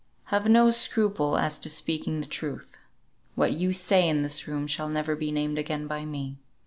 Have no scruple as to speaking the truth. What you say in this room shall never be named again by me.